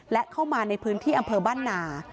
และเข้ามาในพื้นที่อำเภอบ้านนา